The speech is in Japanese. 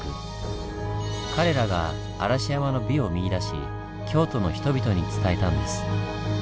彼らが嵐山の美を見いだし京都の人々に伝えたんです。